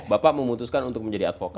bapak memutuskan untuk menjadi advokat